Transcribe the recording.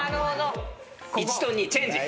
１と２チェンジ。